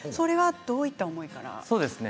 どういった思いからですか。